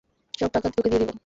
সব টাকা তোকে দিয়ে দেব।